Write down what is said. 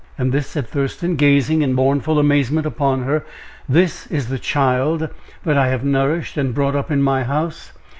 "And this," said Thurston, gazing in mournful amazement upon her; "this is the child that I have nourished and brought up in my house!